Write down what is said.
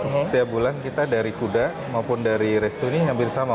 setiap bulan kita dari kuda maupun dari restu ini hampir sama